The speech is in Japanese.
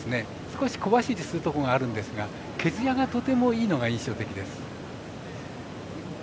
少し小走りするところがあるんですが毛づやがとてもいいのが印象的です。